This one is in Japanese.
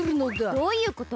どういうこと？